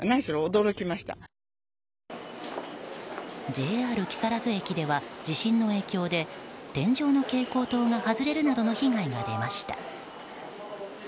ＪＲ木更津駅では地震の影響で天井の蛍光灯が外れるなどの被害が出ました。